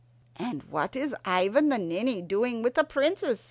"And what is Ivan the Ninny doing with a princess?"